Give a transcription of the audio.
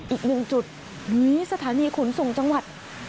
อีกหนึ่งจุดนี้สถานีขนส่งจังหวัด